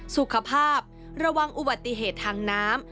สุขภาพระวังอุบัติเหตุทางน้ำ